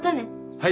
はい。